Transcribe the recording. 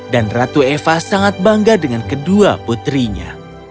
dan ratu eva sangat bangga dengan kedua putrinya